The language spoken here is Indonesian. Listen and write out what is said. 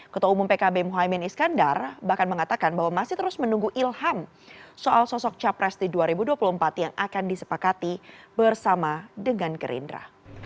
ketua umum pkb muhaymin iskandar bahkan mengatakan bahwa masih terus menunggu ilham soal sosok capres di dua ribu dua puluh empat yang akan disepakati bersama dengan gerindra